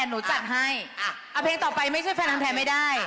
หนูจัดให้เอาเพลงต่อไป